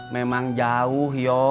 memang jauh yo